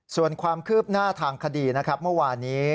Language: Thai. ส่วนความคืบหน้าทางคดีบางวันนี้